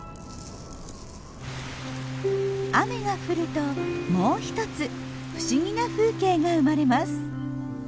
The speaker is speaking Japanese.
雨が降るともう一つ不思議な風景が生まれます。